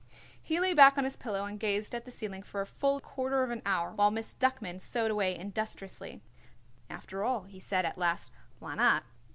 He lay back on his pillow and gazed at the ceiling for fully a quarter of an hour, while Miss Duckman sewed away industriously. "After all," he said at last, "why not?